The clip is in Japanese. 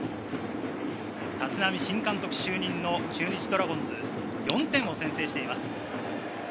立浪新監督就任の中日ドラゴンズ、４点を先制しています。